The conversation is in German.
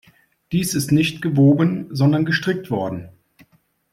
Dies ist nicht gewoben, sondern gestrickt worden.